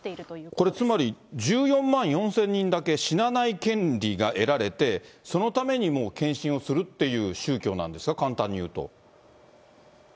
これ、つまり、１４万４０００人だけ死なない権利が得られて、そのためにもう、献身をするっていう宗教なんですか？